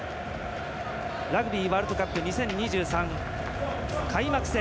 ラグビーワールドカップ２０２３開幕戦